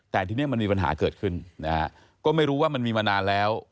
แต่ทีนี้มันมีปัญหาเกิดขึ้นนะฮะก็ไม่รู้ว่ามันมีมานานแล้ว